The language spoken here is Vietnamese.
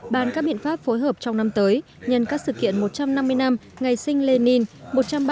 bàn các biện pháp phối hợp trong năm tới nhân các sự kiện một trăm năm mươi năm ngày sinh lê ninh